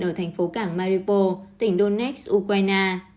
ở thành phố cảng maripos tỉnh donetsk ukraine